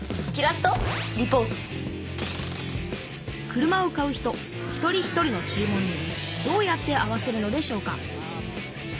車を買う人一人一人の注文にどうやって合わせるのでしょうか？